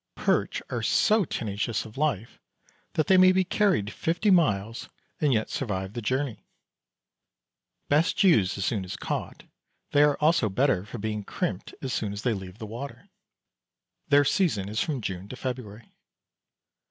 Perch are so tenacious of life, they may be carried fifty miles and yet survive the journey. Best used as soon as caught, they are also better for being crimped as soon as they leave the water. Their season is from June to February.